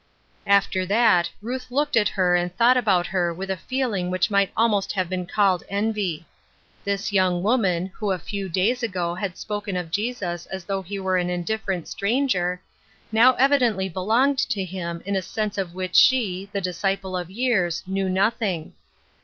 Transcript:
After that Ruth looked at her and thought about her with a feeling which might almost have been called envy. This young woman, who a few days ago had spoken of Jesus as though he were an indifferent stranger, now evidently belonged to him in a sense of which she, the disciple of years, knew nothing.